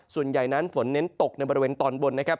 ส่วนใหญ่นั้นฝนเน้นตกในบริเวณตอนบนนะครับ